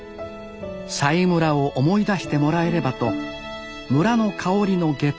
佐井村を思い出してもらえればと村の香りのゲタを作り続けます